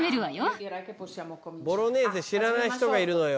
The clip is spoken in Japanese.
ボロネーゼ知らない人がいるのよ。